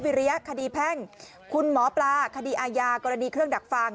ใบเลี่ยขดีแพ่งลุงพลคุณหมอปลาคดีอายากรณีเครื่องดักฟัง